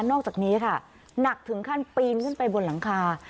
อกจากนี้ค่ะหนักถึงขั้นปีนขึ้นไปบนหลังคา